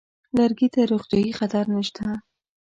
لرګي ته روغتیايي خطر نشته.